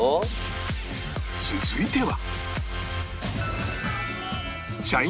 続いては